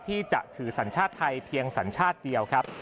ที่จะถือสัญชาติไทยเพียงสัญชาติเดียวครับ